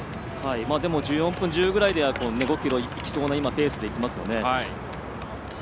１４分１０ぐらいで５ｋｍいきそうなペースでいってますね。